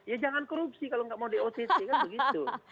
ya jangan korupsi kalau gak mau dott kan begitu